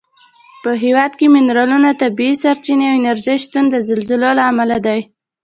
په هېواد کې منرالونه، طبیعي سرچینې او انرژي شتون د زلزلو له امله دی.